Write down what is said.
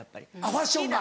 ファッションが。